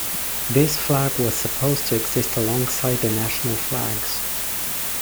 This flag was supposed to exist alongside the national flags.